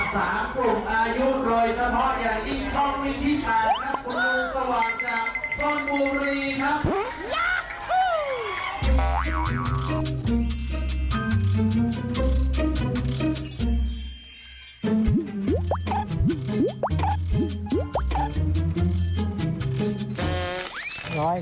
กลับวันนั้นไม่เอาหน่อย